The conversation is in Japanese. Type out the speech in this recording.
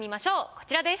こちらです。